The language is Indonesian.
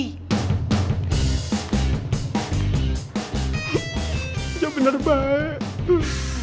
ya bener bener baik